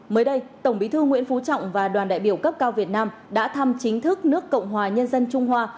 mới đây tổng bí thư nguyễn phú trọng và đoàn đại biểu cấp cao việt nam đã thăm chính thức nước cộng hòa nhân dân trung hoa